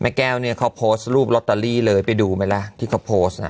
แก้วเนี่ยเขาโพสต์รูปลอตเตอรี่เลยไปดูไหมล่ะที่เขาโพสต์อ่ะ